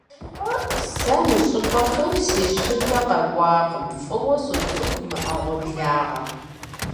Сэ мы щӀыпӀэхэм си щыпэ къакӀуэкъым, фӀыуэ соцӀыху мы Ӏэгъуэблагъэр.